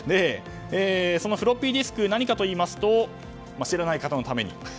そのフロッピーディスク何かといいますと知らない方のために。